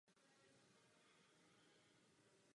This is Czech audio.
Škola má osm fakult.